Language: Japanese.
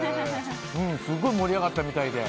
すごい盛り上がったみたいで。